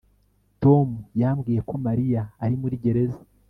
Tom yambwiye ko Mariya ari muri gereza